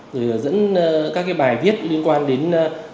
rồi dẫn các bài viết liên quan đến phòng chống tội phạm